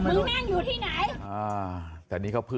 ผมนั่งอยู่เฉยแล้วอยู่เขาก็เอาอะไรมาตีเขาไม่รู้